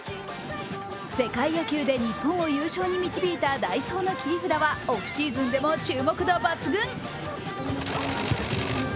世界野球で日本を優勝に導いた代走の切り札はオフシーズンでも注目度抜群。